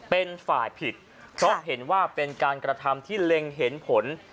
เป็นฝ่ายผิดเพราะเห็นว่าเป็นการกระทำที่เล็งเห็นผล